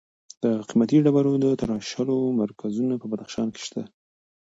د قیمتي ډبرو د تراشلو مرکزونه په بدخشان کې شته.